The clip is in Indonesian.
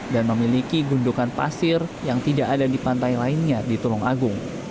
dan memiliki gundukan pasir yang tidak ada di pantai lainnya di tulung agung